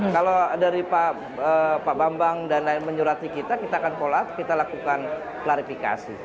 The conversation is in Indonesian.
kalau dari pak bambang dan lain menyurati kita kita akan follow up kita lakukan klarifikasi